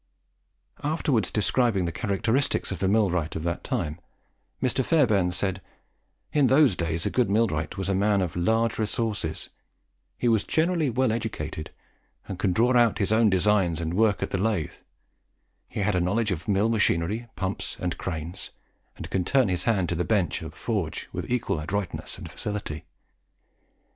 Afterwards describing the characteristics of the millwright of that time, Mr. Fairbairn said "In those days a good millwright was a man of large resources; he was generally well educated, and could draw out his own designs and work at the lathe; he had a knowledge of mill machinery, pumps, and cranes, and could turn his hand to the bench or the forge with equal adroitness and facility.